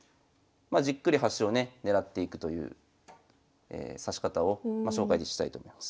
まあじっくり端をねねらっていくという指し方を紹介したいと思います。